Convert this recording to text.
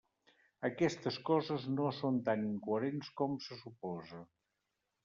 Aquestes coses no són tan incoherents com se suposa.